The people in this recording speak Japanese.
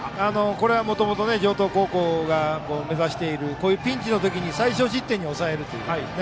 これは、もともと城東高校が目指しているピンチの時に最少失点に抑えるという。